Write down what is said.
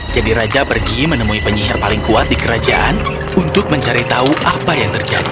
jadi raja pergi menemui penyihir paling kuat di kerajaan untuk mencari tahu apa yang terjadi